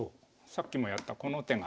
さっきもやったこの手が。